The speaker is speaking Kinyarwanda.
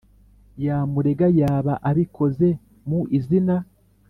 yamurega yaba abikoze mu izina